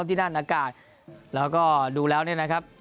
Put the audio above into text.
ที่นั่นอากาศเราก็ดูแล้วนะครับ